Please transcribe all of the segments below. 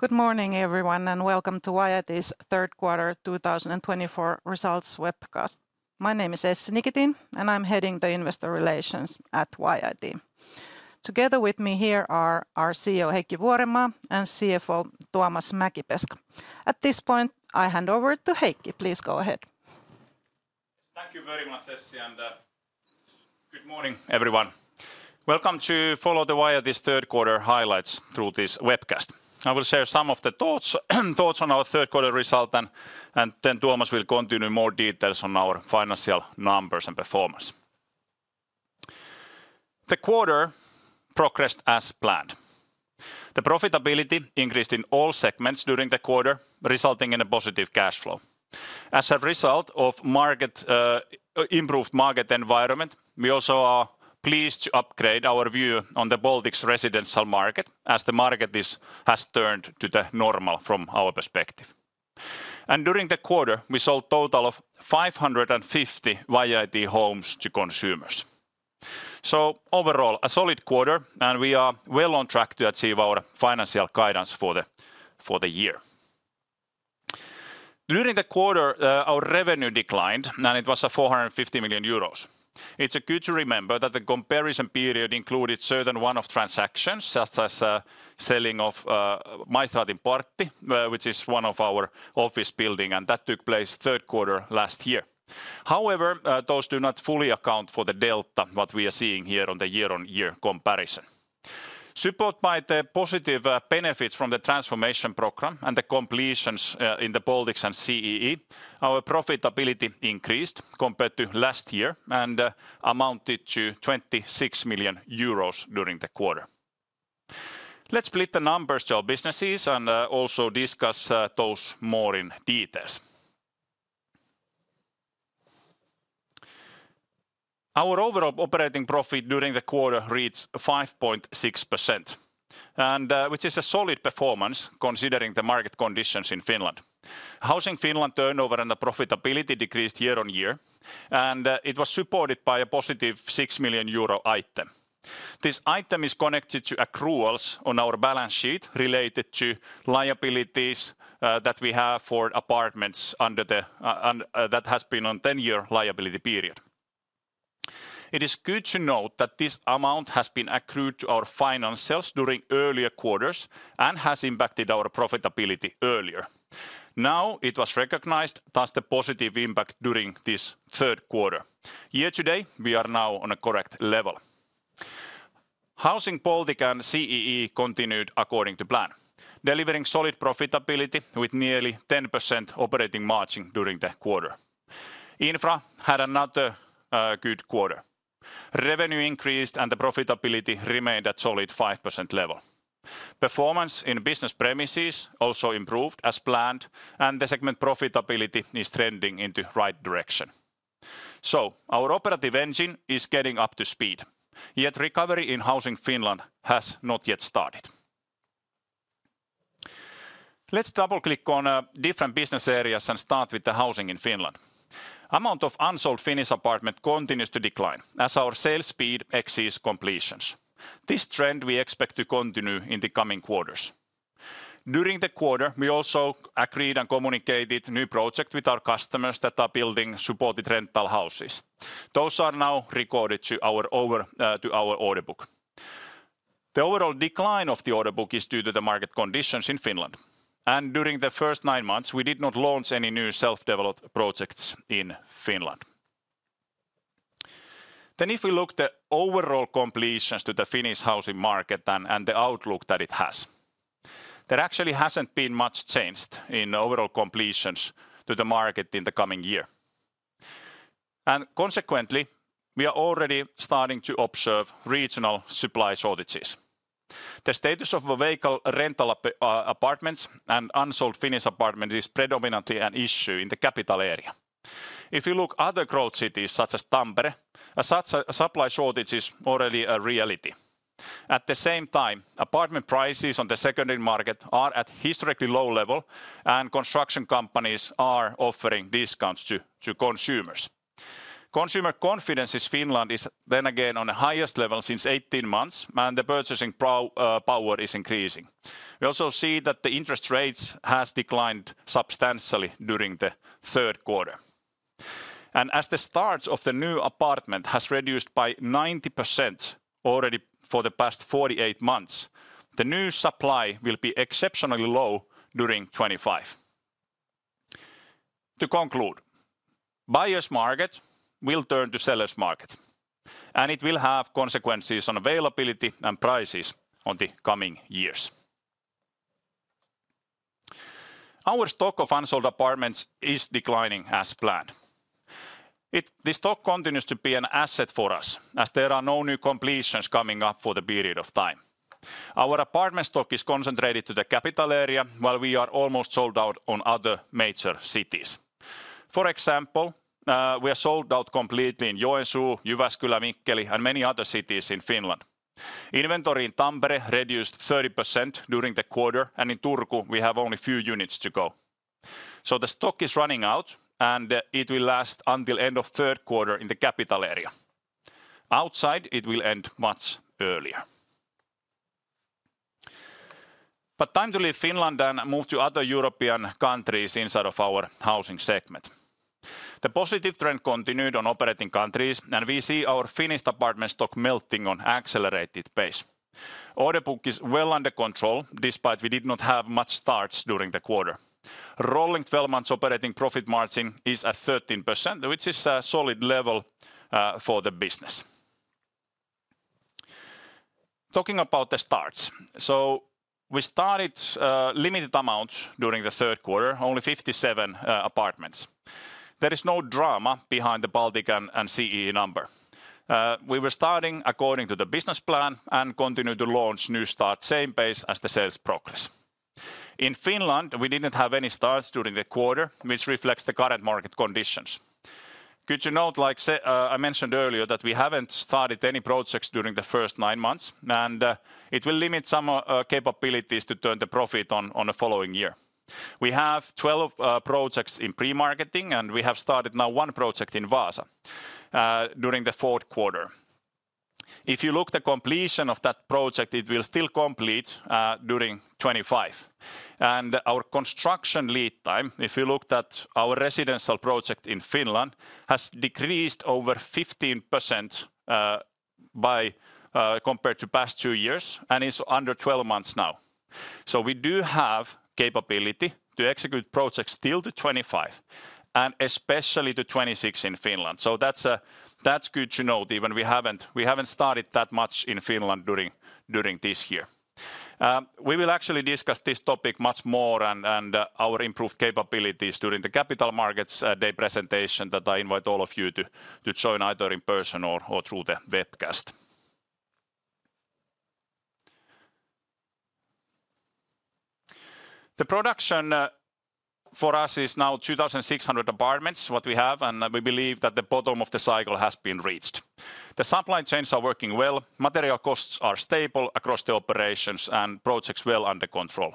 Good morning, everyone, and welcome to YIT's Q3 2024 Results Webcast. My name is Essi Nikitin, and I'm heading the Investor Relations at YIT. Together with me here are our CEO, Heikki Vuorenmaa, and CFO, Tuomas Mäkipeska. At this point, I hand over to Heikki. Please go ahead. Thank you very much, Essi, and good morning, everyone. Welcome to follow the YIT's Q3 Highlights through this webcast. I will share some of the thoughts on our Q3 result, and then Tuomas will continue more details on our financial numbers and performance. The quarter progressed as planned. The profitability increased in all segments during the quarter, resulting in a positive cash flow. As a result of improved market environment, we also are pleased to upgrade our view on the Baltics' residential market, as the market has turned to the normal from our perspective, and during the quarter, we sold a total of 550 YIT Homes to consumers, so overall, a solid quarter, and we are well on track to achieve our financial guidance for the year. During the quarter, our revenue declined, and it was 450 million euros. It's good to remember that the comparison period included certain one-off transactions, such as the selling of Maistraatinportti, which is one of our office buildings, and that took place Q3 last year. However, those do not fully account for the delta that we are seeing here on the year-on-year comparison. Supported by the positive benefits from the transformation program and the completions in the Baltics and CEE, our profitability increased compared to last year and amounted to 26 million euros during the quarter. Let's split the numbers to our businesses and also discuss those more in detail. Our overall operating profit during the quarter reached 5.6%, which is a solid performance considering the market conditions in Finland. Housing Finland turnover and the profitability decreased year-on-year, and it was supported by a positive 6 million euro item. This item is connected to accruals on our balance sheet related to liabilities that we have for apartments under that has been on a 10-year liability period. It is good to note that this amount has been accrued to our financials during earlier quarters and has impacted our profitability earlier. Now it was recognized as the positive impact during this Q3. Year to date, we are now on a correct level. Housing Baltic and CEE continued according to plan, delivering solid profitability with nearly 10% operating margin during the quarter. Infra had another good quarter. Revenue increased and the profitability remained at a solid 5% level. Performance in business premises also improved as planned, and the segment profitability is trending in the right direction so our operative engine is getting up to speed, yet recovery in Housing Finland has not yet started. Let's double-click on different business areas and start with the housing in Finland. The amount of unsold Finnish apartments continues to decline as our sales speed exceeds completions. This trend we expect to continue in the coming quarters. During the quarter, we also agreed and communicated new projects with our customers that are building supported rental houses. Those are now recorded to our order book. The overall decline of the order book is due to the market conditions in Finland, and during the first nine months, we did not launch any new self-developed projects in Finland. Then if we look at the overall completions to the Finnish housing market and the outlook that it has, there actually hasn't been much change in overall completions to the market in the coming year, and consequently, we are already starting to observe regional supply shortages. The status of vacant rental apartments and unsold Finnish apartments is predominantly an issue in the capital area. If you look at other growth cities such as Tampere, such supply shortages are already a reality. At the same time, apartment prices on the secondary market are at a historically low level, and construction companies are offering discounts to consumers. Consumer confidence in Finland is then again on the highest level since 18 months, and the purchasing power is increasing. We also see that the interest rates have declined substantially during the Q3. As the start of the new apartment has reduced by 90% already for the past 48 months, the new supply will be exceptionally low during 2025. To conclude, the buyer's market will turn to the seller's market, and it will have consequences on availability and prices in the coming years. Our stock of unsold apartments is declining as planned. This stock continues to be an asset for us, as there are no new completions coming up for the period of time. Our apartment stock is concentrated in the capital area, while we are almost sold out in other major cities. For example, we are sold out completely in Joensuu, Jyväskylä, Mikkeli, and many other cities in Finland. Inventory in Tampere reduced 30% during the quarter, and in Turku, we have only a few units to go, so the stock is running out, and it will last until the end of Q3 in the capital area. Outside, it will end much earlier, but time to leave Finland and move to other European countries inside of our housing segment. The positive trend continued in operating countries, and we see our Finnish apartment stock melting on an accelerated pace. The order book is well under control despite we did not have much starts during the quarter. Rolling 12 months operating profit margin is at 13%, which is a solid level for the business. Talking about the starts, so we started limited amounts during the Q3, only 57 apartments. There is no drama behind the Baltic and CEE number. We were starting according to the business plan and continue to launch new starts at the same pace as the sales progress. In Finland, we didn't have any starts during the quarter, which reflects the current market conditions. Good to note, like I mentioned earlier, that we haven't started any projects during the first nine months, and it will limit some capabilities to turn the profit on the following year. We have 12 projects in pre-marketing, and we have started now one project in Vaasa during the Q4. If you look at the completion of that project, it will still complete during 2025, and our construction lead time, if you look at our residential project in Finland, has decreased over 15% compared to the past two years and is under 12 months now, so we do have capability to execute projects still to 2025, and especially to 2026 in Finland, so that's good to note even we haven't started that much in Finland during this year. We will actually discuss this topic much more and our improved capabilities during the Capital Markets Day presentation that I invite all of you to join either in person or through the webcast. The production for us is now 2,600 apartments, what we have, and we believe that the bottom of the cycle has been reached. The supply chains are working well. Material costs are stable across the operations and projects well under control.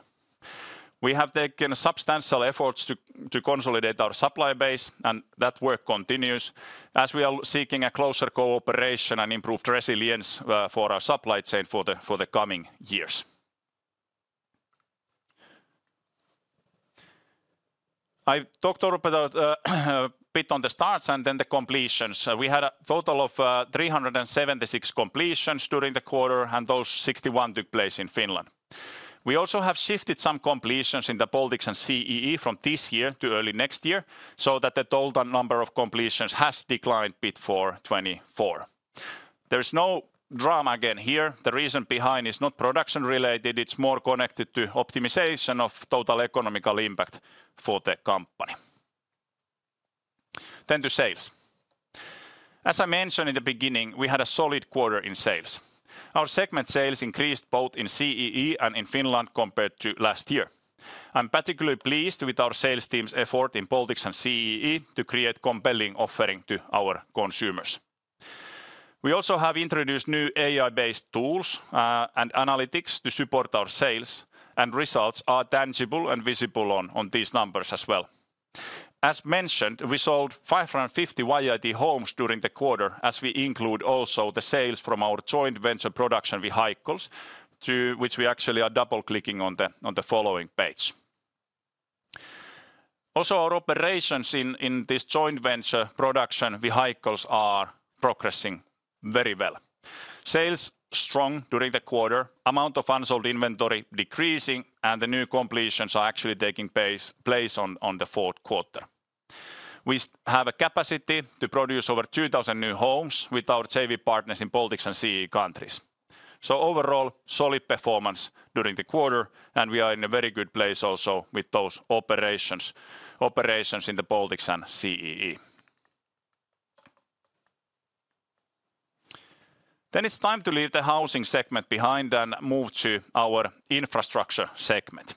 We have taken substantial efforts to consolidate our supply base, and that work continues as we are seeking closer cooperation and improved resilience for our supply chain for the coming years. I talked a bit on the starts and then the completions. We had a total of 376 completions during the quarter, and those 61 took place in Finland. We also have shifted some completions in the Baltics and CEE from this year to early next year, so that the total number of completions has declined a bit for 2024. There is no drama again here. The reason behind is not production related. It's more connected to optimization of total economical impact for the company. Then to sales. As I mentioned in the beginning, we had a solid quarter in sales. Our segment sales increased both in CEE and in Finland compared to last year. I'm particularly pleased with our sales team's effort in Baltics and CEE to create a compelling offering to our consumers. We also have introduced new AI-based tools and analytics to support our sales, and results are tangible and visible on these numbers as well. As mentioned, we sold 550 YIT Homes during the quarter, as we include also the sales from our joint venture production with Heikkilä, to which we actually are double-clicking on the following page. Also, our operations in this joint venture production with Heikkilä are progressing very well. Sales strong during the quarter, amount of unsold inventory decreasing, and the new completions are actually taking place on the Q4. We have a capacity to produce over 2,000 new homes with our savvy partners in Baltics and CEE countries. So overall, solid performance during the quarter, and we are in a very good place also with those operations in the Baltics and CEE. Then it's time to leave the housing segment behind and move to our infrastructure segment.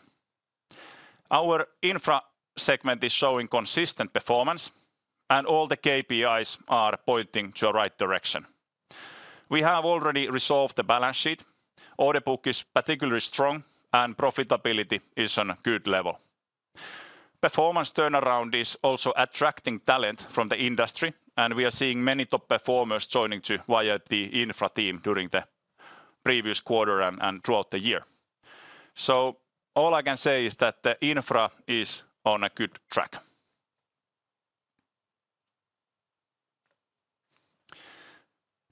Our infra segment is showing consistent performance, and all the KPIs are pointing to the right direction. We have already resolved the balance sheet. Order book is particularly strong, and profitability is on a good level. Performance turnaround is also attracting talent from the industry, and we are seeing many top performers joining to YIT infra team during the previous quarter and throughout the year. So all I can say is that the infra is on a good track.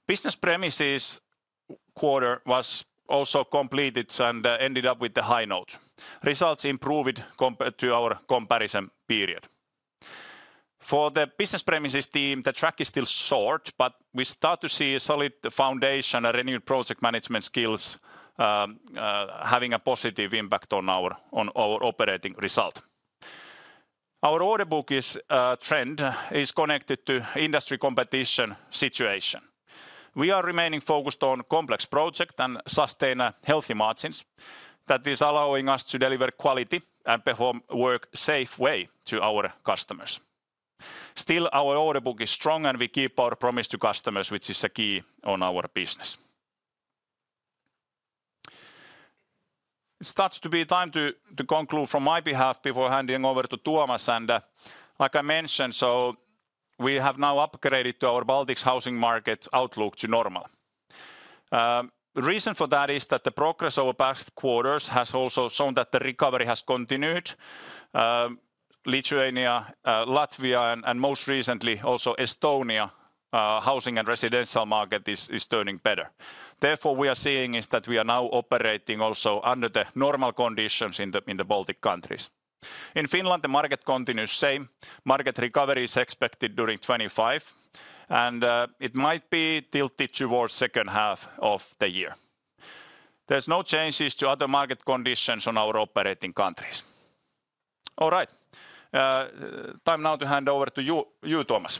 Business premises quarter was also completed and ended up with a high note. Results improved compared to our comparison period. For the business premises team, the track is still short, but we start to see a solid foundation and renewed project management skills having a positive impact on our operating result. Our order book trend is connected to industry competition situation. We are remaining focused on complex projects and sustainable healthy margins that are allowing us to deliver quality and perform work safely to our customers. Still, our order book is strong, and we keep our promise to customers, which is a key in our business. It starts to be time to conclude from my behalf before handing over to Tuomas. Like I mentioned, so we have now upgraded to our Baltics housing market outlook to normal. The reason for that is that the progress over past quarters has also shown that the recovery has continued. Lithuania, Latvia, and most recently also Estonia, housing and residential market is turning better. Therefore, what we are seeing is that we are now operating also under the normal conditions in the Baltic countries. In Finland, the market continues the same. Market recovery is expected during 2025, and it might be tilted towards the second half of the year. There are no changes to other market conditions in our operating countries. All right, time now to hand over to you, Tuomas.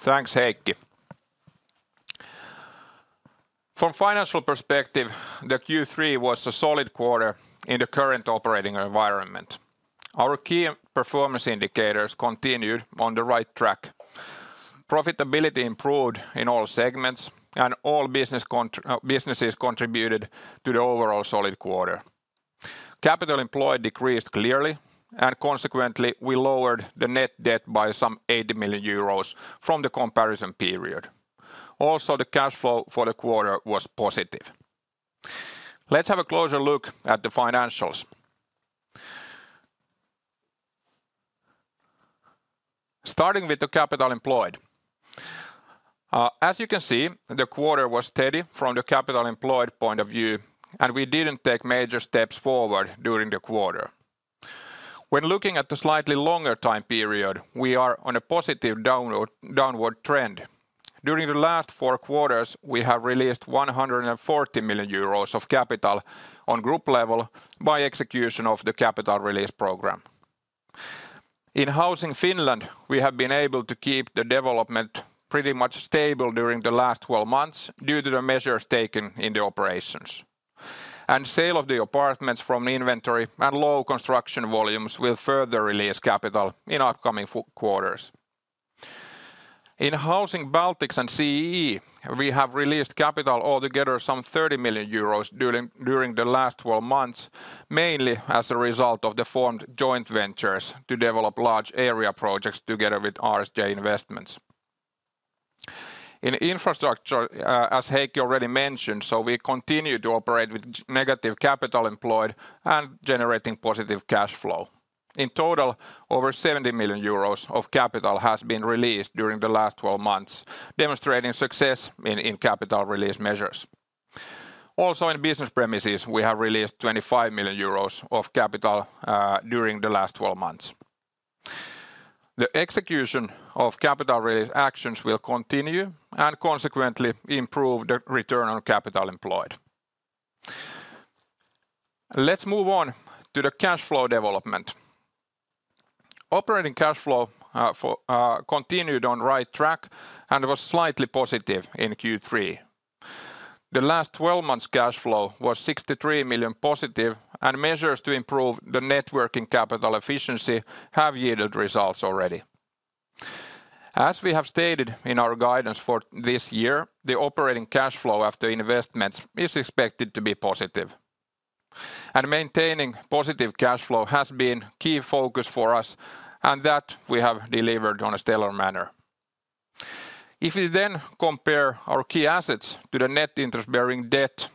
Thanks, Heikki. From a financial perspective, the Q3 was a solid quarter in the current operating environment. Our key performance indicators continued on the right track. Profitability improved in all segments, and all businesses contributed to the overall solid quarter. Capital employed decreased clearly, and consequently, we lowered the net debt by some 80 million euros from the comparison period. Also, the cash flow for the quarter was positive. Let's have a closer look at the financials. Starting with the Capital Employed. As you can see, the quarter was steady from the Capital Employed point of view, and we didn't take major steps forward during the quarter. When looking at the slightly longer time period, we are on a positive downward trend. During the last four quarters, we have released 140 million euros of capital on group level by execution of the Capital Release Program. In Housing Finland, we have been able to keep the development pretty much stable during the last 12 months due to the measures taken in the operations, and sale of the apartments from inventory and low construction volumes will further release capital in upcoming quarters. In Housing Baltics and CEE, we have released capital altogether some 30 million euros during the last 12 months, mainly as a result of the formed joint ventures to develop large area projects together with RSJ Investments. In infrastructure, as Heikki already mentioned, so we continue to operate with negative capital employed and generating positive cash flow. In total, over 70 million euros of capital has been released during the last 12 months, demonstrating success in capital release measures. Also, in business premises, we have released 25 million euros of capital during the last 12 months. The execution of capital release actions will continue and consequently improve the return on capital employed. Let's move on to the cash flow development. Operating cash flow continued on the right track and was slightly positive in Q3. The last 12 months' cash flow was 63 million positive, and measures to improve the working capital efficiency have yielded results already. As we have stated in our guidance for this year, the operating cash flow after investments is expected to be positive, and maintaining positive cash flow has been a key focus for us, and that we have delivered in a stellar manner. If we then compare our key assets to the net interest-bearing debt,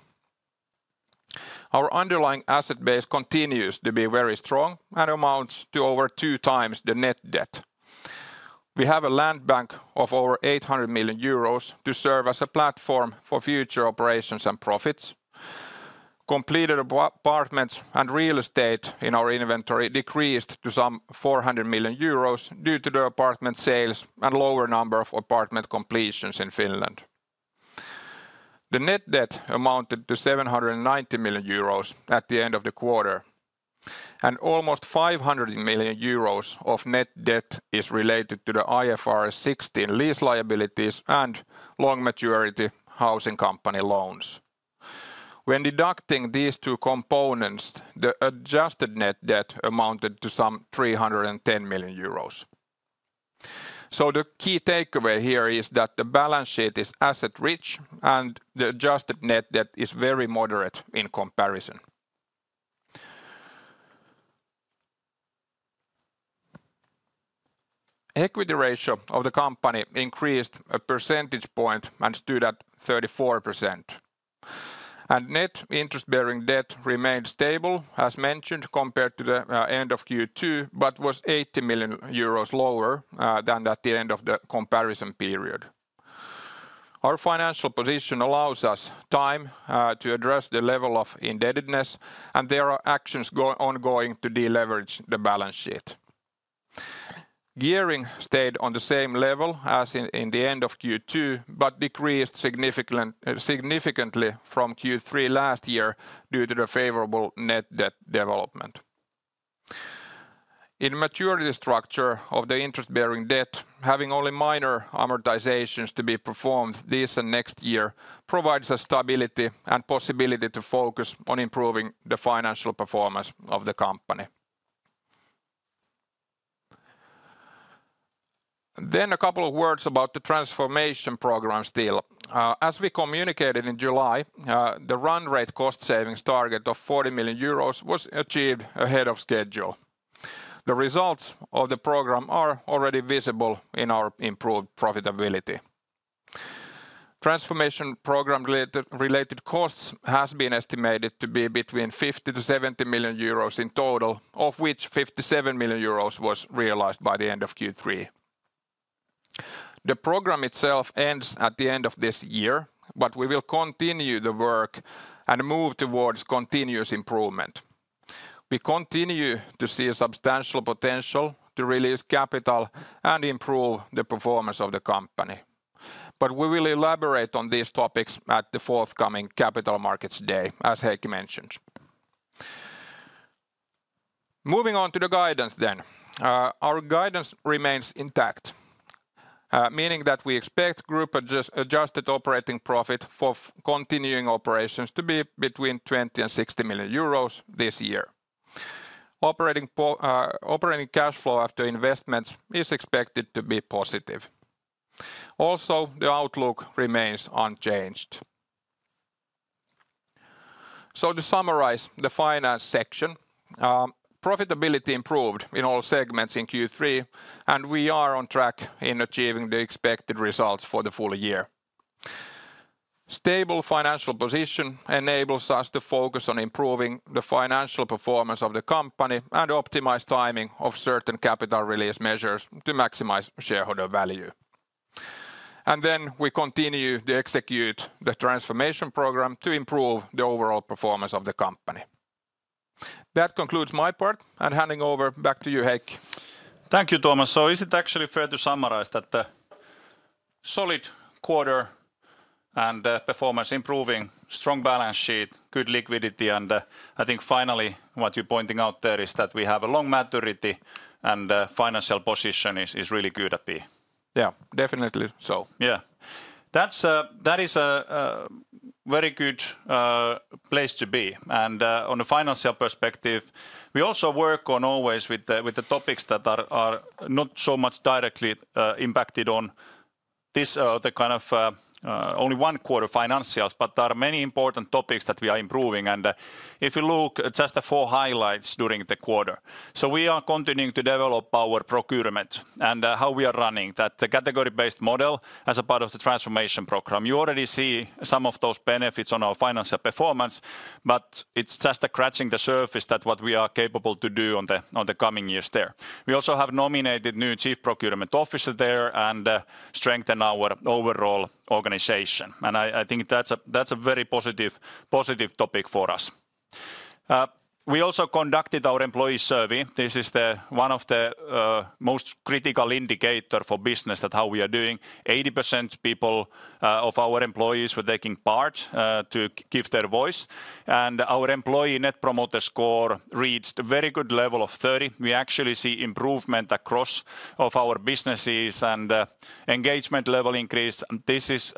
our underlying asset base continues to be very strong and amounts to over two times the net debt. We have a land bank of over 800 million euros to serve as a platform for future operations and profits. Completed apartments and real estate in our inventory decreased to some 400 million euros due to the apartment sales and lower number of apartment completions in Finland. The net debt amounted to 790 million euros at the end of the quarter, and almost 500 million euros of net debt is related to the IFRS 16 lease liabilities and long-maturity housing company loans. When deducting these two components, the adjusted net debt amounted to some 310 million euros, so the key takeaway here is that the balance sheet is asset-rich, and the adjusted net debt is very moderate in comparison. Equity ratio of the company increased a percentage point and stood at 34%. Net interest-bearing debt remained stable, as mentioned, compared to the end of Q2, but was 80 million euros lower than at the end of the comparison period. Our financial position allows us time to address the level of indebtedness, and there are actions ongoing to deleverage the balance sheet. Gearing stayed on the same level as in the end of Q2, but decreased significantly from Q3 last year due to the favorable net debt development. In maturity structure of the interest-bearing debt, having only minor amortizations to be performed this and next year provides stability and possibility to focus on improving the financial performance of the company. Then a couple of words about the Transformation Program still. As we communicated in July, the run rate cost savings target of 40 million euros was achieved ahead of schedule. The results of the program are already visible in our improved profitability. Transformation Program related costs have been estimated to be between 50 million to 70 million euros in total, of which 57 million euros was realized by the end of Q3. The program itself ends at the end of this year, but we will continue the work and move towards continuous improvement. We continue to see a substantial potential to release capital and improve the performance of the company. But we will elaborate on these topics at the forthcoming Capital Markets Day, as Heikki mentioned. Moving on to the guidance then. Our guidance remains intact, meaning that we expect group adjusted operating profit for continuing operations to be between 20 million and 60 million euros this year. Operating cash flow after investments is expected to be positive. Also, the outlook remains unchanged. So to summarize the finance section, profitability improved in all segments in Q3, and we are on track in achieving the expected results for the full year. Stable financial position enables us to focus on improving the financial performance of the company and optimize timing of certain capital release measures to maximize shareholder value. And then we continue to execute the transformation program to improve the overall performance of the company. That concludes my part, and handing over back to you, Heikki. Thank you, Tuomas. So is it actually fair to summarize that the solid quarter and performance improving, strong balance sheet, good liquidity, and I think finally what you're pointing out there is that we have a long maturity and the financial position is really good at being. Yeah, definitely. So yeah, that is a very good place to be. And on a financial perspective, we also work on always with the topics that are not so much directly impacted on this or the kind of only one quarter financials, but there are many important topics that we are improving. And if you look at just the four highlights during the quarter, so we are continuing to develop our procurement and how we are running that category-based model as a part of the Transformation Program. You already see some of those benefits on our financial performance, but it's just scratching the surface that what we are capable to do on the coming years there. We also have nominated new chief procurement officer there and strengthen our overall organization, and I think that's a very positive topic for us. We also conducted our employee survey. This is one of the most critical indicators for business that how we are doing. 80% of our employees were taking part to give their voice, and our employee net promoter score reached a very good level of 30. We actually see improvement across our businesses and engagement level increase. This is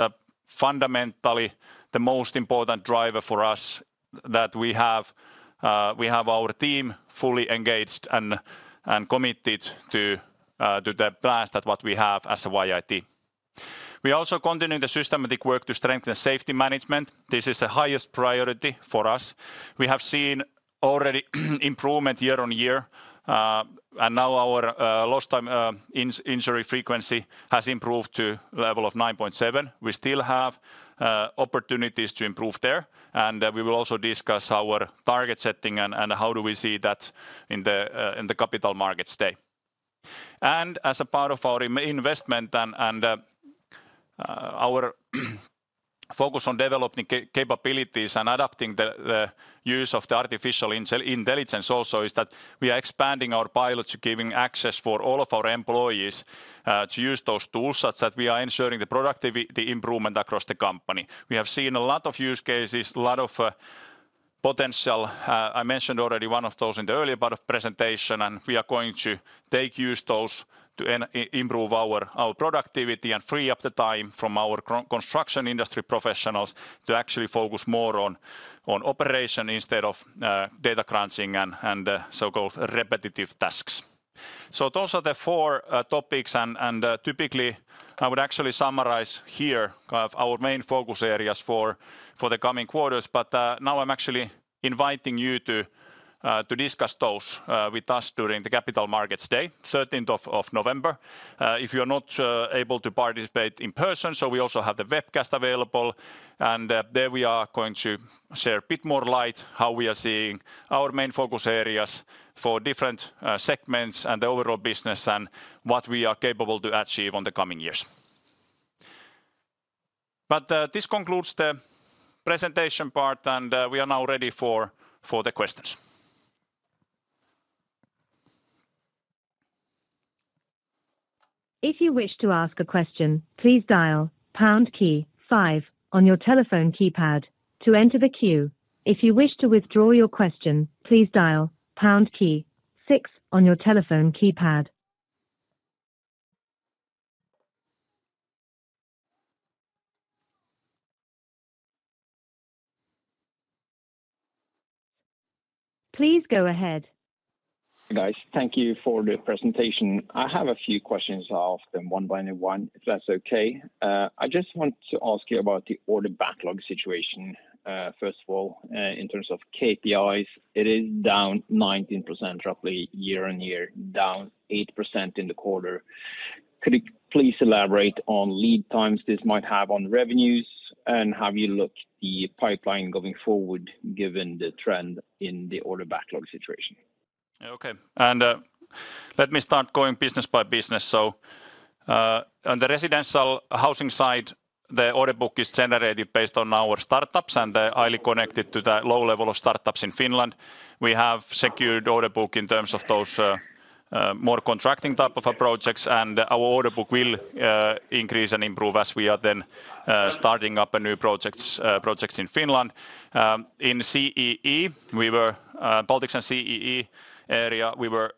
fundamentally the most important driver for us that we have our team fully engaged and committed to the plan that what we have as a YIT. We also continue the systematic work to strengthen safety management. This is the highest priority for us. We have seen already improvement year on year, and now our lost time injury frequency has improved to a level of 9.7. We still have opportunities to improve there, and we will also discuss our target setting and how do we see that in the Capital Markets Day, and as a part of our investment and our focus on developing capabilities and adapting the use of the artificial intelligence also is that we are expanding our pilot to giving access for all of our employees to use those tools such that we are ensuring the productivity improvement across the company. We have seen a lot of use cases, a lot of potential. I mentioned already one of those in the earlier part of the presentation, and we are going to make use of those to improve our productivity and free up the time from our construction industry professionals to actually focus more on operation instead of data crunching and so-called repetitive tasks. So those are the four topics, and typically I would actually summarize here our main focus areas for the coming quarters, but now I'm actually inviting you to discuss those with us during the Capital Markets Day, 13th of November. If you are not able to participate in person, so we also have the webcast available, and there we are going to shed a bit more light how we are seeing our main focus areas for different segments and the overall business and what we are capable to achieve in the coming years. But this concludes the presentation part, and we are now ready for the questions. If you wish to ask a question, please dial pound key five on your telephone keypad to enter the queue. If you wish to withdraw your question, please dial pound key six on your telephone keypad. Please go ahead. Hey guys, thank you for the presentation. I have a few questions to ask them one by one, if that's okay. I just want to ask you about the order backlog situation. First of all, in terms of KPIs, it is down 19% roughly year on year, down 8% in the quarter. Could you please elaborate on lead times this might have on revenues and have you look at the pipeline going forward given the trend in the order backlog situation? Okay, and let me start going business by business. So on the residential housing side, the order book is generated based on our startups and highly connected to the low level of startups in Finland. We have secured order book in terms of those more contracting type of projects, and our order book will increase and improve as we are then starting up a new project in Finland. In CEE, in the Baltics and CEE area, we were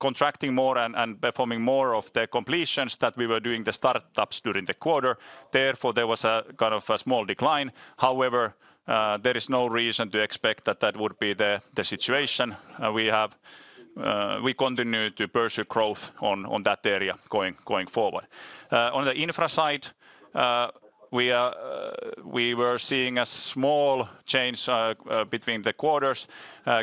contracting more and performing more of the completions that we were doing the startups during the quarter. Therefore, there was a kind of a small decline. However, there is no reason to expect that that would be the situation. We continue to pursue growth on that area going forward. On the infra side, we were seeing a small change between the quarters.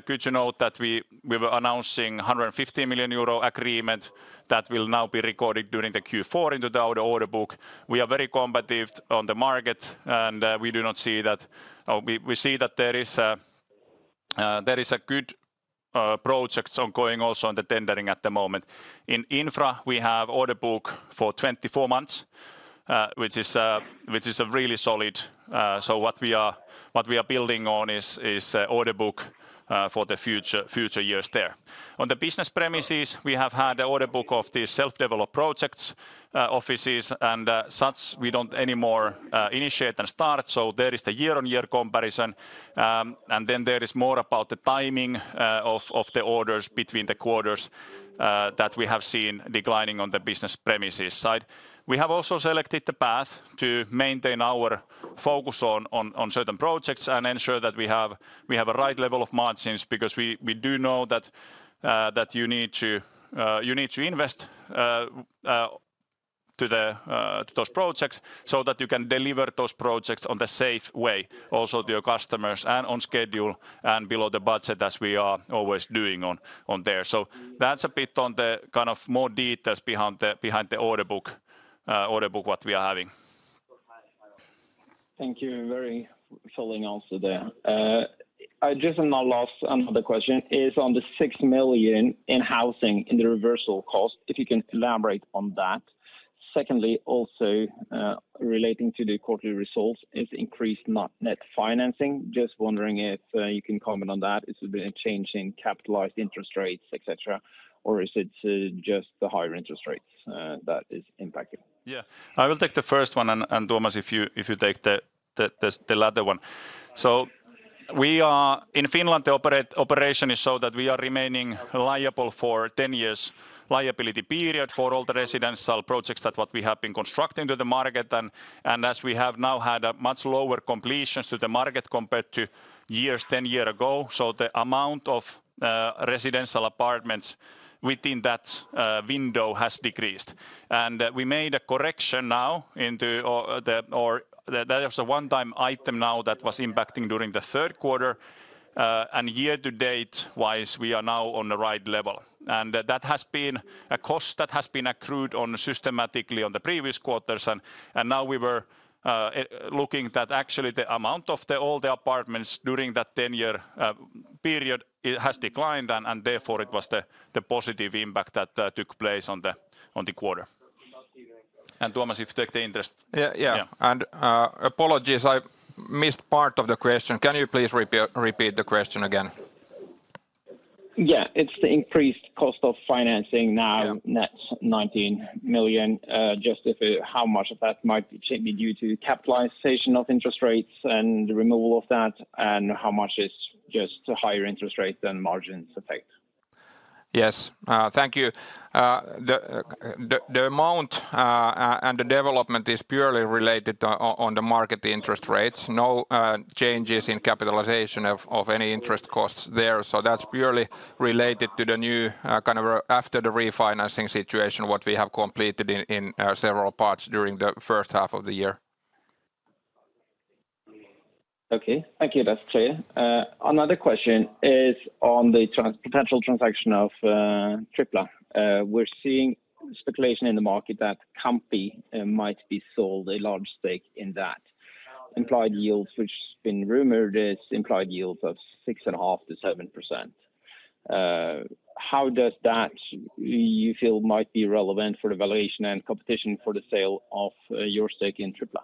Good to note that we were announcing a 150 million euro agreement that will now be recorded during the Q4 into the order book. We are very competitive on the market, and we do not see that there is a good project ongoing also on the tendering at the moment. In infra, we have order book for 24 months, which is a really solid. What we are building on is order book for the future years there. On the business premises, we have had the order book of the self-developed projects offices and such we don't anymore initiate and start. There is the year-on-year comparison, and then there is more about the timing of the orders between the quarters that we have seen declining on the business premises side. We have also selected the path to maintain our focus on certain projects and ensure that we have a right level of margins because we do know that you need to invest to those projects so that you can deliver those projects in a safe way also to your customers and on schedule and below the budget as we are always doing on there. So that's a bit on the kind of more details behind the order book what we are having. Thank you. Very fully answered there. I just now lost another question. It's on the 6 million in housing in the reversal cost, if you can elaborate on that. Secondly, also relating to the quarterly results is increased net financing. Just wondering if you can comment on that. Is it a change in capitalized interest rates, etc., or is it just the higher interest rates that is impacting? Yeah, I will take the first one, and Tuomas, if you take the latter one. So in Finland, the operation is so that we are remaining liable for a 10-year liability period for all the residential projects that what we have been constructing to the market. And as we have now had much lower completions to the market compared to years 10 years ago, so the amount of residential apartments within that window has decreased. And we made a correction now into the or that was a one-time item now that was impacting during the Q3. And year-to-date-wise, we are now on the right level. And that has been a cost that has been accrued systematically on the previous quarters. Now we were looking that actually the amount of all the apartments during that 10-year period has declined, and therefore it was the positive impact that took place on the quarter. Tuomas, if you take the interest. Yeah, yeah. Apologies, I missed part of the question. Can you please repeat the question again? Yeah, it's the increased cost of financing now, net 19 million. Just how much of that might be due to capitalization of interest rates and the removal of that, and how much is just higher interest rates and margins affect? Yes, thank you. The amount and the development is purely related on the market interest rates. No changes in capitalization of any interest costs there. That's purely related to the new kind of after the refinancing situation what we have completed in several parts during the first half of the year. Okay, thank you. That's clear. Another question is on the potential transaction of Tripla. We're seeing speculation in the market that Kamppi might be sold a large stake in that. Implied yields, which has been rumored, is implied yields of 6.5%-7%. How does that, you feel, might be relevant for the valuation and competition for the sale of your stake in Tripla?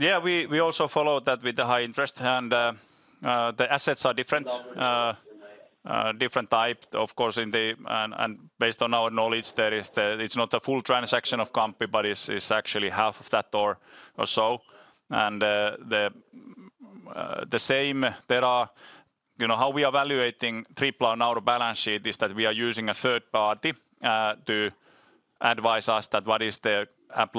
Yeah, we also followed that with the high interest, and the assets are different types, of course. And based on our knowledge, it's not a full transaction of Kamppi, but it's actually half of that or so. And the same, how we are evaluating Tripla on our balance sheet is that we are using a third party to advise us that what is the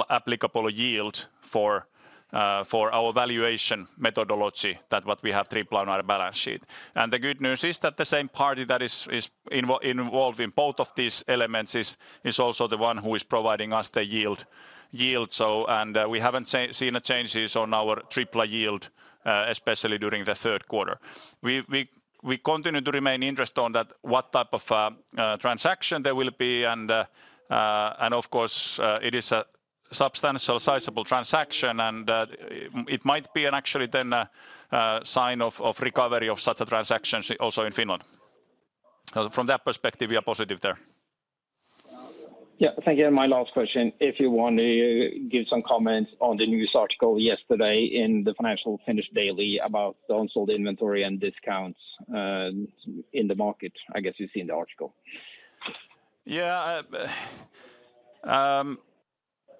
applicable yield for our valuation methodology that what we have Tripla on our balance sheet. And the good news is that the same party that is involved in both of these elements is also the one who is providing us the yield. And we haven't seen a change on our Tripla yield, especially during the Q3. We continue to remain interested on what type of transaction there will be. And of course, it is a substantial sizable transaction, and it might be actually then a sign of recovery of such a transaction also in Finland. From that perspective, we are positive there. Yeah, thank you. And my last question, if you want to give some comments on the news article yesterday in the Financial Finnish Daily about the unsold inventory and discounts in the market, I guess you've seen the article. Yeah,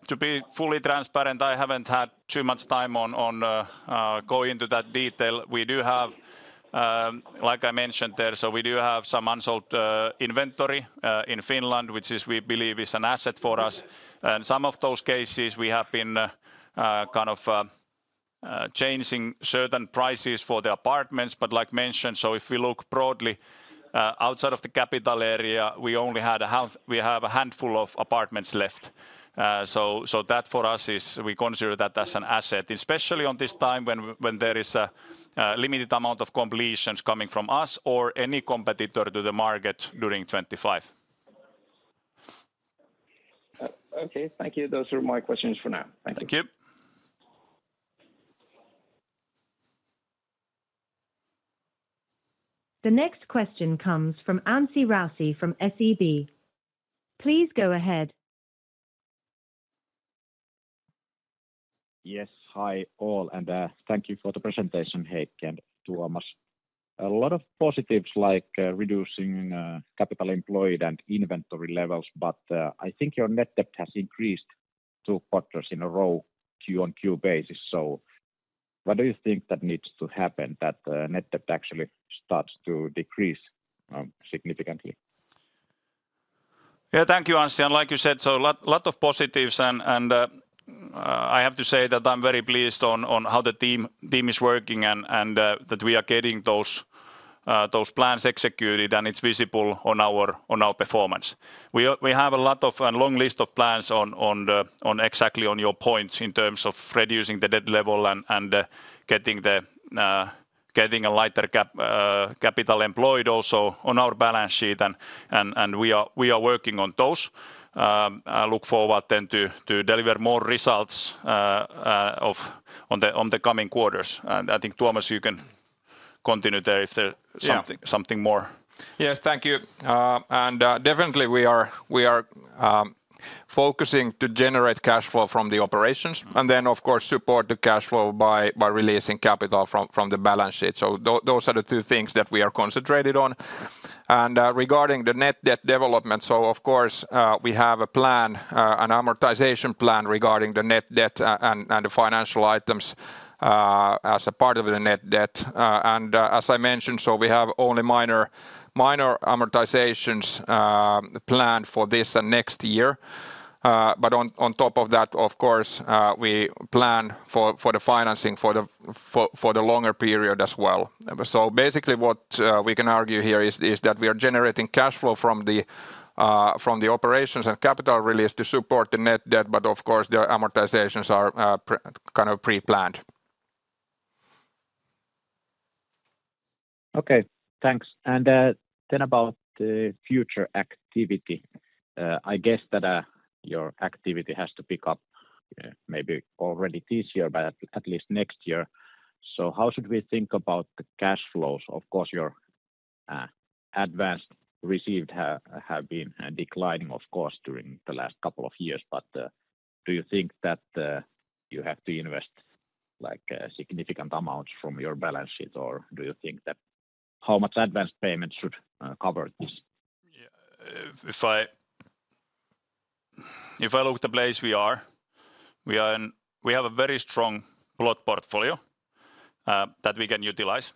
to be fully transparent, I haven't had too much time on going into that detail. We do have, like I mentioned there, so we do have some unsold inventory in Finland, which we believe is an asset for us. And some of those cases, we have been kind of changing certain prices for the apartments. But like mentioned, so if we look broadly outside of the capital area, we only have a handful of apartments left. So that for us is, we consider that as an asset, especially on this time when there is a limited amount of completions coming from us or any competitor to the market during 2025. Okay, thank you. Those are my questions for now. Thank you. The next question comes from Anssi Raussi from SEB. Please go ahead. Yes, hi all, and thank you for the presentation, Heikki and Tuomas. A lot of positives like reducing capital employed and inventory levels, but I think your net debt has increased two quarters in a row, quarter on quarter basis. So what do you think that needs to happen that net debt actually starts to decrease significantly? Yeah, thank you, Ansi. And like you said, so a lot of positives, and I have to say that I'm very pleased on how the team is working and that we are getting those plans executed, and it's visible on our performance. We have a lot of a long list of plans on exactly your points in terms of reducing the debt level and getting a lighter capital employed also on our balance sheet, and we are working on those. I look forward then to deliver more results on the coming quarters. And I think Tuomas, you can continue there if there's something more. Yes, thank you. And definitely we are focusing to generate cash flow from the operations and then, of course, support the cash flow by releasing capital from the balance sheet. So those are the two things that we are concentrated on. And regarding the net debt development, so of course we have a plan, an amortization plan regarding the net debt and the financial items as a part of the net debt. And as I mentioned, so we have only minor amortizations planned for this and next year. But on top of that, of course, we plan for the financing for the longer period as well. So basically what we can argue here is that we are generating cash flow from the operations and capital release to support the net debt, but of course the amortizations are kind of pre-planned. Okay, thanks. Then about the future activity, I guess that your activity has to pick up maybe already this year, but at least next year. So how should we think about the cash flows? Of course, your advance receipts have been declining, of course, during the last couple of years, but do you think that you have to invest significant amounts from your balance sheet, or do you think that how much advance payment should cover this? If I look at the place we are, we have a very strong plot portfolio that we can utilize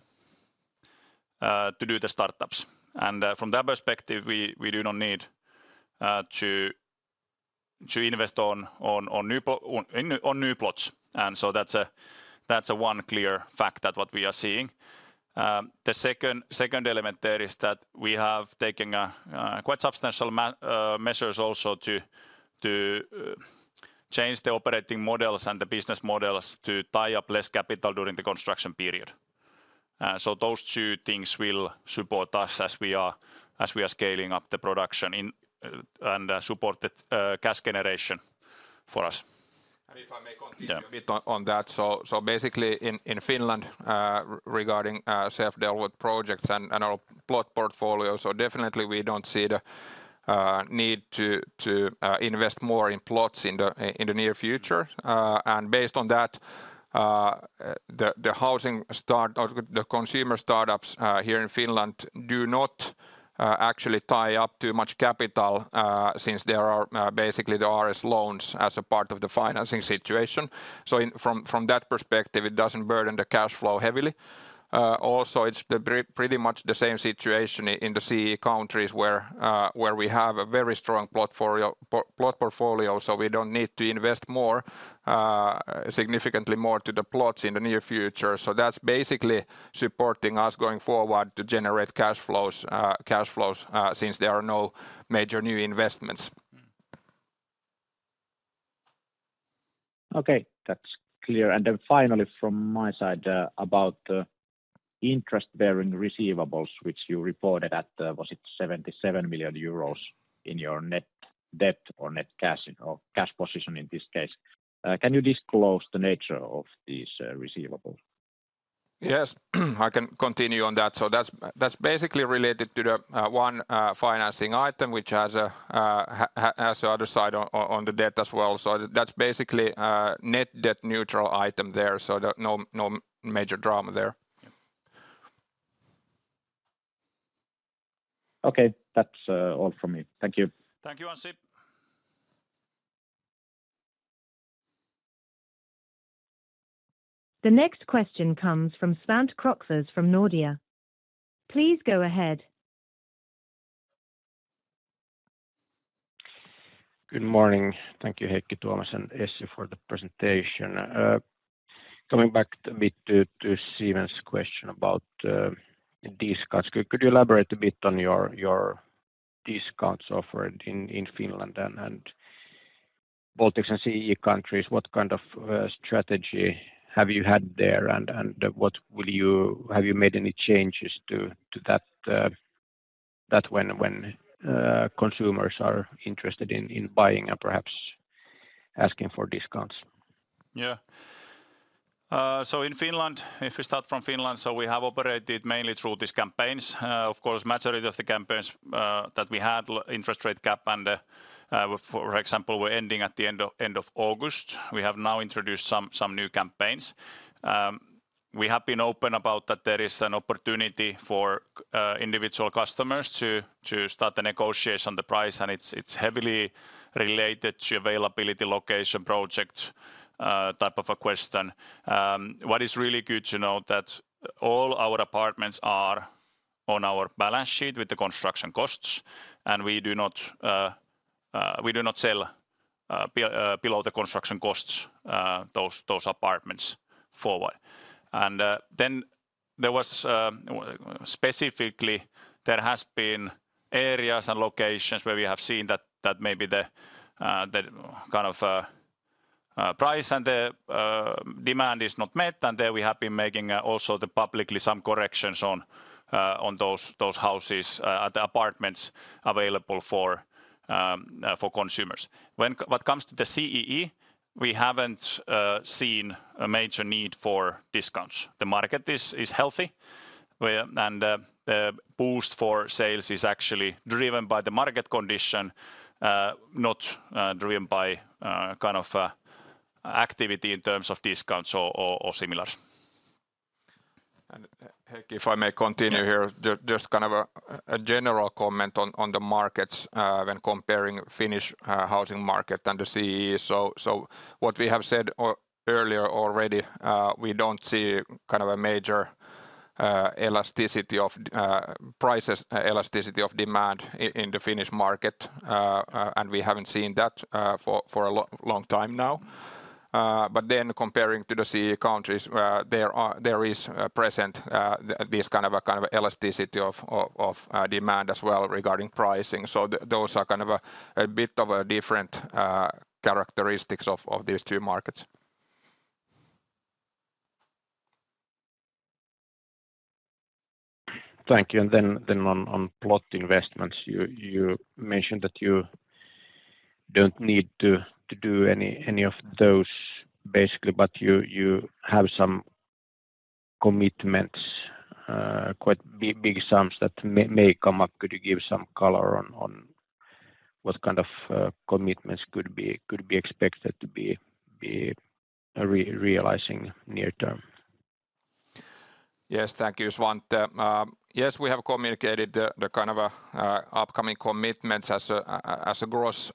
to do the startups. And from that perspective, we do not need to invest on new plots. And so that's one clear fact that what we are seeing. The second element there is that we have taken quite substantial measures also to change the operating models and the business models to tie up less capital during the construction period. So those two things will support us as we are scaling up the production and support the cash generation for us. And if I may continue a bit on that, so basically in Finland regarding self-developed projects and our plot portfolio, so definitely we don't see the need to invest more in plots in the near future. And based on that, the housing startups, the consumer startups here in Finland do not actually tie up too much capital since there are basically the RS loans as a part of the financing situation. So from that perspective, it doesn't burden the cash flow heavily. Also, it's pretty much the same situation in the CE countries where we have a very strong plot portfolio, so we don't need to invest significantly more to the plots in the near future. So that's basically supporting us going forward to generate cash flows since there are no major new investments. Okay, that's clear. And then finally from my side about the interest-bearing receivables, which you reported at, was it 77 million euros in your net debt or net cash position in this case? Can you disclose the nature of these receivables? Yes, I can continue on that. So that's basically related to the one financing item which has the other side on the debt as well. So that's basically a net debt neutral item there, so no major drama there. Okay, that's all from me. Thank you. Thank you, Ansi. The next question comes from Svante Krokfors from Nordea. Please go ahead. Good morning. Thank you, Heikki, Tuomas and Essi for the presentation. Coming back a bit to Simen's question about discounts, could you elaborate a bit on your discounts offered in Finland and Baltics and CE countries? What kind of strategy have you had there, and have you made any changes to that when consumers are interested in buying and perhaps asking for discounts? Yeah, so in Finland, if we start from Finland, so we have operated mainly through these campaigns. Of course, the majority of the campaigns that we had, interest rate cap, and for example, we're ending at the end of August. We have now introduced some new campaigns. We have been open about that there is an opportunity for individual customers to start the negotiation on the price, and it's heavily related to availability, location, project type of a question. What is really good to know is that all our apartments are on our balance sheet with the construction costs, and we do not sell below the construction costs those apartments forward, and then there was specifically there have been areas and locations where we have seen that maybe the kind of price and the demand is not met. There we have been making also publicly some corrections on those houses and the apartments available for consumers. When it comes to the CEE, we haven't seen a major need for discounts. The market is healthy, and the boost for sales is actually driven by the market condition, not driven by kind of activity in terms of discounts or similar. And Heikki, if I may continue here, just kind of a general comment on the markets when comparing the Finnish housing market and the CEE. So what we have said earlier already, we don't see kind of a major elasticity of prices, elasticity of demand in the Finnish market, and we haven't seen that for a long time now. But then comparing to the CEE countries, there is present this kind of elasticity of demand as well regarding pricing. So those are kind of a bit of different characteristics of these two markets. Thank you. And then on plot investments, you mentioned that you don't need to do any of those basically, but you have some commitments, quite big sums that may come up. Could you give some color on what kind of commitments could be expected to be realizing near term? Yes, thank you, Svante. Yes, we have communicated the kind of upcoming commitments as a gross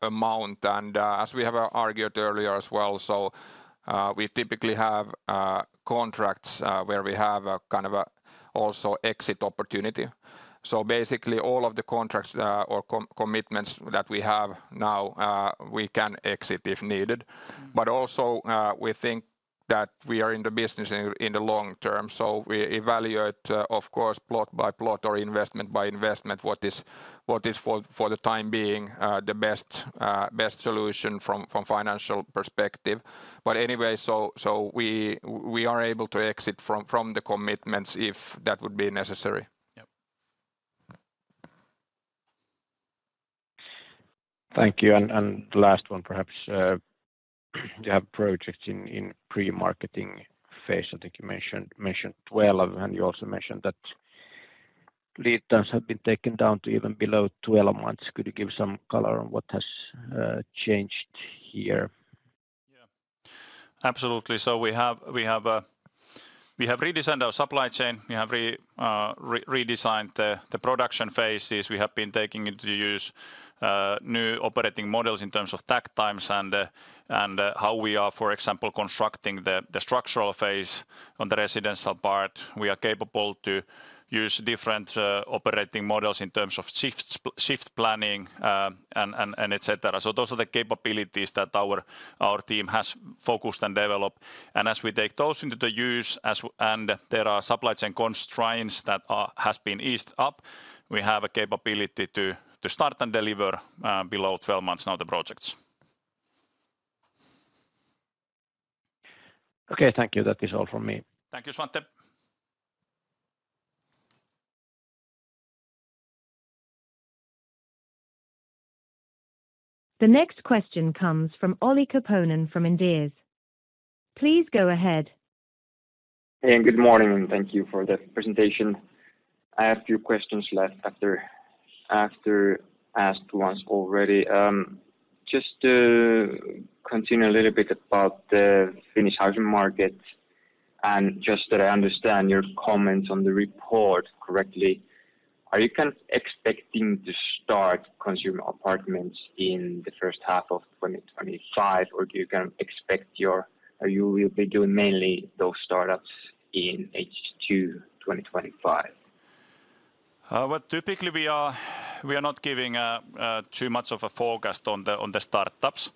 amount, and as we have argued earlier as well, so we typically have contracts where we have kind of also exit opportunity. So basically all of the contracts or commitments that we have now, we can exit if needed. But also we think that we are in the business in the long term, so we evaluate, of course, plot by plot or investment by investment, what is for the time being the best solution from financial perspective. But anyway, so we are able to exit from the commitments if that would be necessary. Thank you. And the last one perhaps, you have projects in pre-marketing phase. I think you mentioned 12, and you also mentioned that lead times have been taken down to even below 12 months. Could you give some color on what has changed here? Yeah, absolutely. So we have redesigned our supply chain. We have redesigned the production phases. We have been taking into use new operating models in terms of takt times and how we are, for example, constructing the structural phase on the residential part. We are capable to use different operating models in terms of shift planning and etc. So those are the capabilities that our team has focused and developed. And as we take those into use and there are supply chain constraints that have been eased up, we have a capability to start and deliver below 12 months now the projects. Okay, thank you. That is all from me. Thank you, Svante. The next question comes from Olli Koponen from Inderes. Please go ahead. Hey, and good morning, and thank you for the presentation. I have a few questions left after asked once already. Just to continue a little bit about the Finnish housing market and just that I understand your comments on the report correctly, are you expecting to start consumer apartments in the first half of 2025, or do you expect you will be doing mainly those startups in H2 2025? Typically we are not giving too much of a forecast on the startups,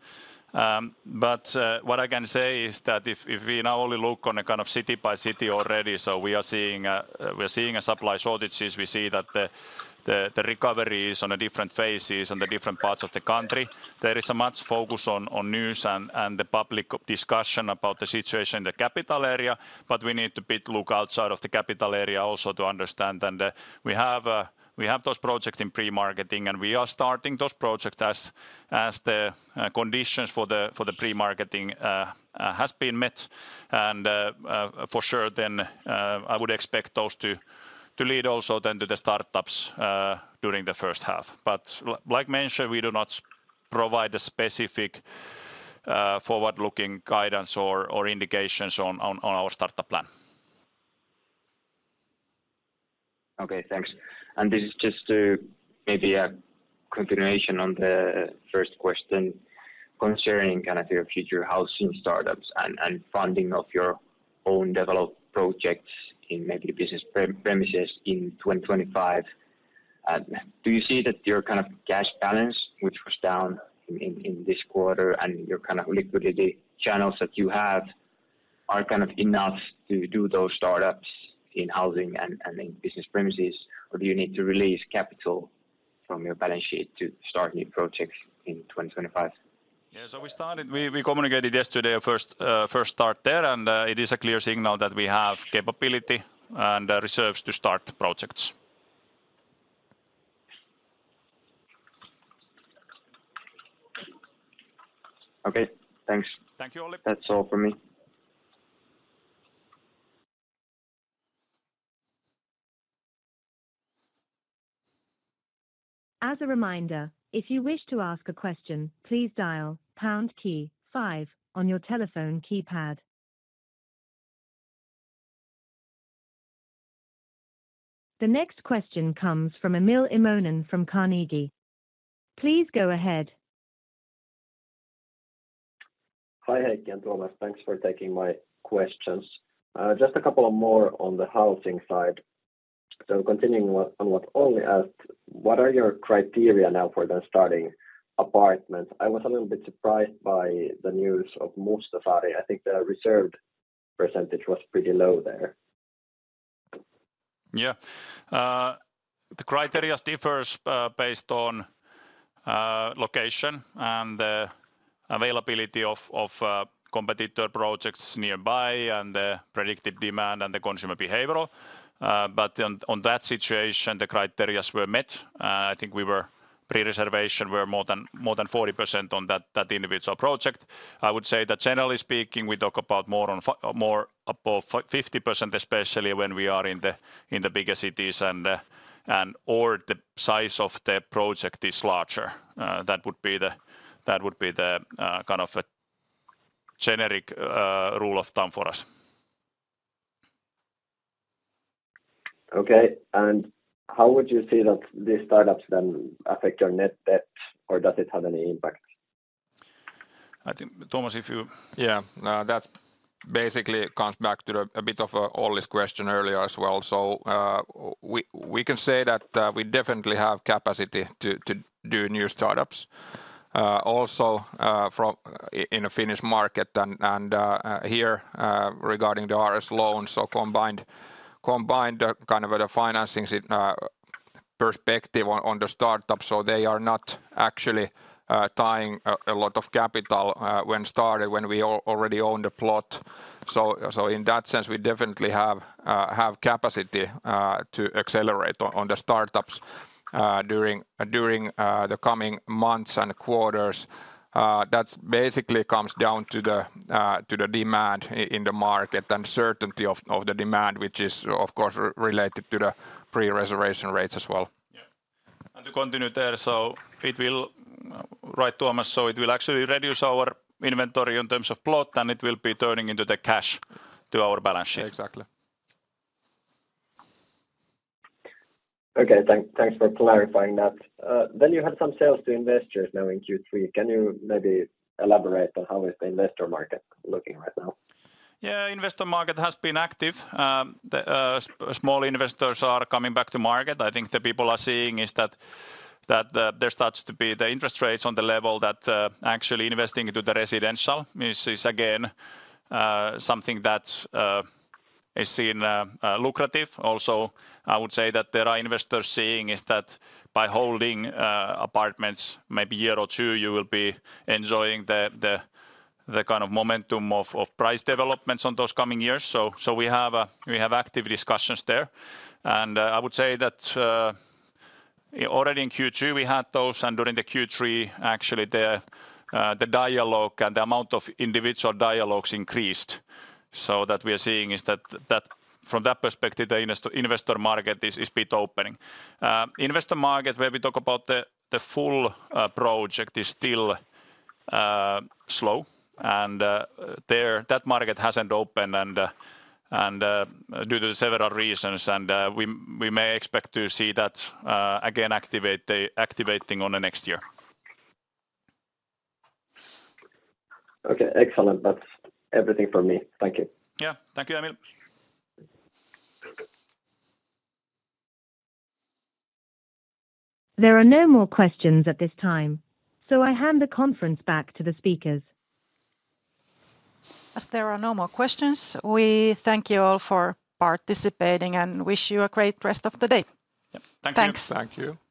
but what I can say is that if we now only look on a kind of city by city already, so we are seeing a supply shortage, we see that the recovery is on different phases in the different parts of the country. There is a much focus on news and the public discussion about the situation in the capital area, but we need to look outside of the capital area also to understand that we have those projects in pre-marketing and we are starting those projects as the conditions for the pre-marketing have been met. And for sure then I would expect those to lead also then to the startups during the first half. But like mentioned, we do not provide a specific forward-looking guidance or indications on our startup plan. Okay, thanks. This is just maybe a continuation on the first question concerning kind of your future housing startups and funding of your own developed projects in maybe business premises in 2025. Do you see that your kind of cash balance, which was down in this quarter, and your kind of liquidity channels that you have are kind of enough to do those startups in housing and in business premises, or do you need to release capital from your balance sheet to start new projects in 2025? Yes, so we started, we communicated yesterday our first start there, and it is a clear signal that we have capability and reserves to start projects. Okay, thanks. Thank you, Olli. That's all from me. As a reminder, if you wish to ask a question, please dial pound key five on your telephone keypad. The next question comes from Emil Immonen from Carnegie. Please go ahead. Hi Heikki and Tuomas, thanks for taking my questions. Just a couple more on the housing side. So continuing on what Olli asked, what are your criteria now for then starting apartments? I was a little bit surprised by the news of Mustasaari. I think the reserved percentage was pretty low there. Yeah, the criteria differs based on location and the availability of competitor projects nearby and the predicted demand and the consumer behavior. But on that situation, the criteria were met. I think we were pre-reservation more than 40% on that individual project. I would say that generally speaking, we talk about more above 50%, especially when we are in the bigger cities and/or the size of the project is larger. That would be the kind of generic rule of thumb for us. Okay, and how would you say that these startups then affect your net debt, or does it have any impact? I think Tuomas, if you? yeah, that basically comes back to a bit of Olli's question earlier as well. So we can say that we definitely have capacity to do new startups. Also in the Finnish market and here regarding the RS loans, so combined kind of the financing perspective on the startup, so they are not actually tying a lot of capital when started, when we already own the plot. So in that sense, we definitely have capacity to accelerate on the startups during the coming months and quarters. That basically comes down to the demand in the market and certainty of the demand, which is of course related to the pre-reservation rates as well. To continue there, so it will, right, Tuomas, so it will actually reduce our inventory in terms of plot, and it will be turning into the cash to our balance sheet. Exactly. Okay, thanks for clarifying that. You had some sales to investors now in Q3. Can you maybe elaborate on how is the investor market looking right now? Yeah, investor market has been active. Small investors are coming back to market. I think the people are seeing is that there starts to be the interest rates on the level that actually investing into the residential is again something that is seen lucrative. Also, I would say that there are investors seeing is that by holding apartments maybe year or two, you will be enjoying the kind of momentum of price developments on those coming years. So we have active discussions there. And I would say that already in Q2 we had those, and during the Q3 actually the dialogue and the amount of individual dialogues increased. So that we are seeing is that from that perspective, the investor market is a bit opening. Investor market where we talk about the full project is still slow, and that market hasn't opened due to several reasons, and we may expect to see that again activating on the next year. Okay, excellent. That's everything from me. Thank you. Yeah, thank you, Emil. There are no more questions at this time, so I hand the conference back to the speakers. As there are no more questions, we thank you all for participating and wish you a great rest of the day. Thank you. Thank you.